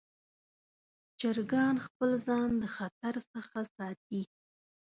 چرګان خپل ځان د خطر څخه ساتي.